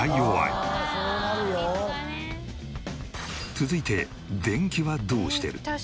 続いて電気はどうしてる？